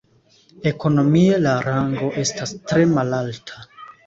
Ekonomie la rango estas tre malalta.